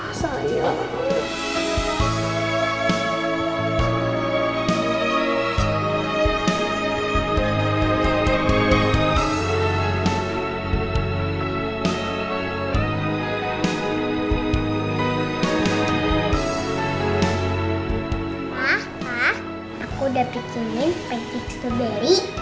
aku udah bikinin pancake strawberry